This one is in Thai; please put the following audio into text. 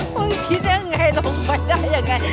มึงคิดยังไงลงไปได้ยังไง